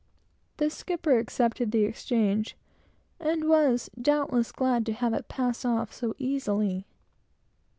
The skipper accepted the exchange, and was, doubtless, glad to have it pass off so easily.